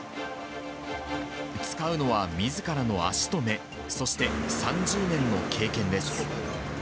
使うのはみずからの足と目、そして３０年の経験です。